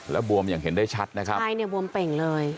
แล้วบวมอย่างเห็นได้ชัดนะครับใช่เนี่ยบวมเป่งเลย